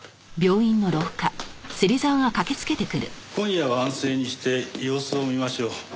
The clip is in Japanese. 今夜は安静にして様子を見ましょう。